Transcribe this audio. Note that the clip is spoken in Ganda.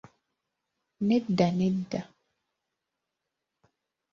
Nedda, nedda!